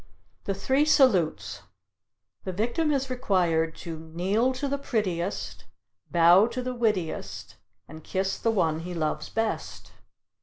The Three Salutes. The victim is required to "Kneel to the prettiest; bow to the wittiest and kiss the one he loves best."